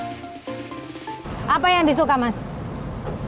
menurut pemerintah di mana yang lebih menarik adalah perhitungan roti